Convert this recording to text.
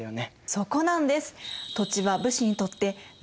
そこなんです！